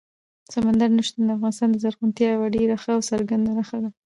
سمندر نه شتون د افغانستان د زرغونتیا یوه ډېره ښه او څرګنده نښه ده.